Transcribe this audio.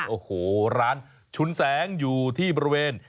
โอ้โหร้านชุนแสงอยู่ที่บริเวณ